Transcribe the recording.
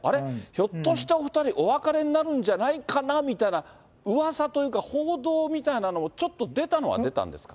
ひょっとしてお２人、お別れになるんじゃないかなみたいなうわさというか、報道みたいなのも、ちょっと出たのは出たんですか？